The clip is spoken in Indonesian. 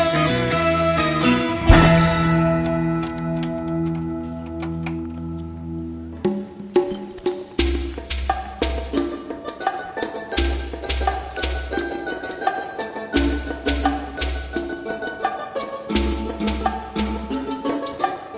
siap itu truk